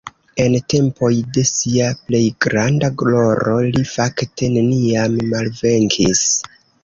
En tempoj de sia plej granda gloro li fakte neniam malvenkis.